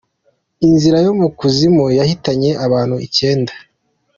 Inzira yo mu kuzimu yahitanye abantu icyenda